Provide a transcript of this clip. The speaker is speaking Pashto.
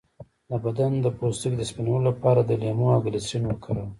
د بدن د پوستکي د سپینولو لپاره د لیمو او ګلسرین وکاروئ